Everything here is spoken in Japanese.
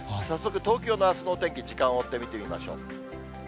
早速、東京のあすのお天気、時間を追って見てみましょう。